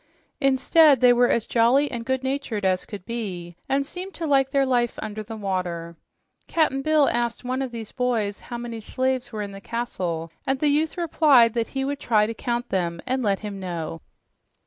Instead, they were as jolly and good natured as could be and seemed to like their life under the water. Cap'n Bill asked one of the boys how many slaves were in the castle, and the youth replied that he would try to count them and let him know.